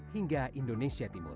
hingga indonesia timur